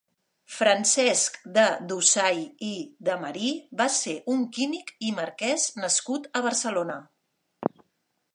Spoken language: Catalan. Francesc de Dusai i de Marí va ser un químic i marquès nascut a Barcelona.